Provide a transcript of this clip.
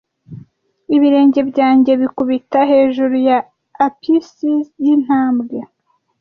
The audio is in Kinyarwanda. Ibirenge byanjye bikubita hejuru ya apices yintambwe,